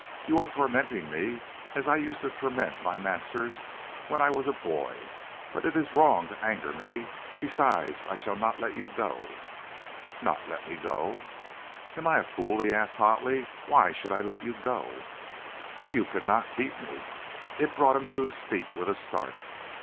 "You are tormenting me as I used to torment my masters when I was a boy. But it is wrong to anger me. Besides I shall not let you go." "Not let me go?" "Am I a fool?" he asked hotly. "Why should I let you go?" "You could not keep me." It brought him to his feet with a start.